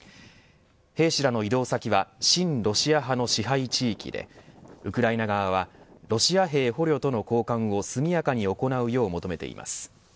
兵士らの移動先は親ロシア派の支配地域でウクライナ側はロシア兵捕虜との交換を速やかに行うよう求めています。